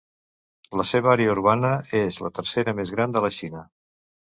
La seva àrea urbana és la tercera més gran de la Xina.